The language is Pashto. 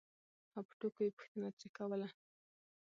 او په ټوکو یې پوښتنه ترې کوله